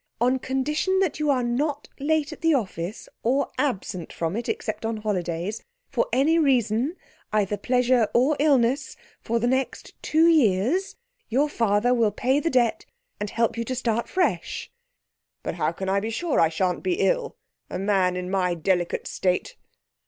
On condition that you are not late at the office or absent from it except on holidays, for any reason, either pleasure or illness, for the next two years, your father will pay the debt and help you to start fresh.' 'But how can I be sure I shan't be ill? A man in my delicate state.'